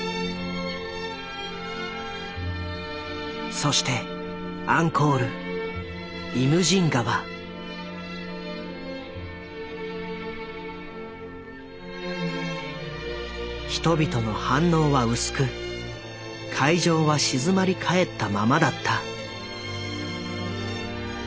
そしてアンコール人々の反応は薄く会場は静まり返ったままだった。